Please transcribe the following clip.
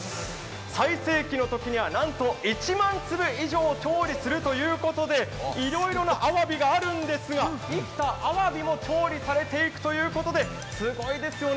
最盛期のときには、なんと１万粒以上調理するということでいろいろなあわびがあるんですが生きたあわびも調理されていくということですごいですよね。